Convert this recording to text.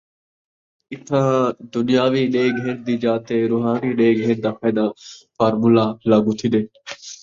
اتھاں دنیاوی ݙے گھن دی جاء تے رُوحانی ݙے گھن دا فارمولا لاگو تھیندے۔